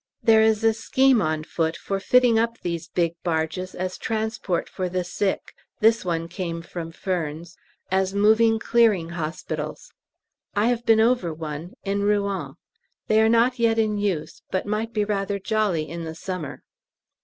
There is a scheme on foot for fitting up these big barges as transport for the sick (this one came from Furnes) as moving Clearing Hospitals. I've been over one, in Rouen. They are not yet in use, but might be rather jolly in the summer.